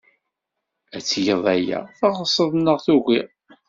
Ad tged aya, teɣsed neɣ tugid.